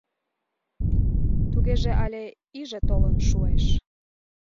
— Тугеже але иже толын шуэш.